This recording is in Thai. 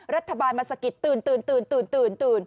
รัฐบาลมาสะกิดตื่น